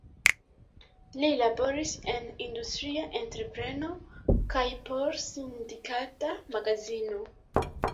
Li laboris en industria entrepreno kaj por sindikata magazino.